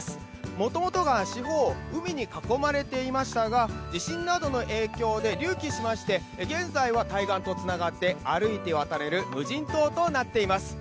もともとが四方を海に囲まれていましたが地震などの影響で隆起しまして、現在は対岸とつながって歩いて渡れる無人島となっています。